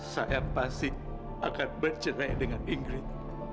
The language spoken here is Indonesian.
saya pasti akan bercerai dengan inggris